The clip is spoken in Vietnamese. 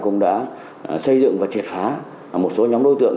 cũng đã xây dựng và triệt phá một số nhóm đối tượng